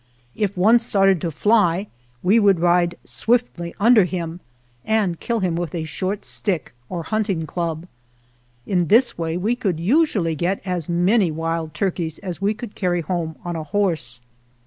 If one started to fly we would ride swiftly under him and kill him with a short stick, or hunt ing club. In this way we could usually get as many wild turkeys as we could carry home on a horse.